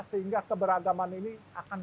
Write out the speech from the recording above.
sehingga keberagaman ini akan